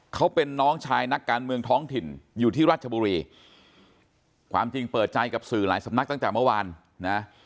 เขาเป็นน้องชายนักการเมืองท้องถิ่นอยู่ที่ราชบุรีความจริงเปิดใจกับสื่อหลายสำนักตั้งแต่เมื่อวานนะ